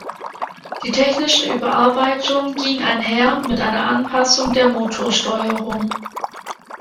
Die technische Überarbeitung ging einher mit einer Anpassung der Motorsteuerung.